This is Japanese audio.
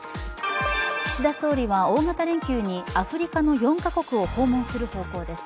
岸田総理は大型連休にアフリカの４か国を訪問する方向です。